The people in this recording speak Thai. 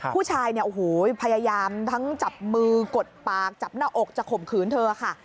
ผู้ชายพยายามทั้งจับมือกดปากจับหน้าอกจะขมคืนเธอค่ะ